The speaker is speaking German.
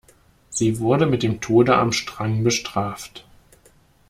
Sie wurden mit dem Tode am Strang bestraft.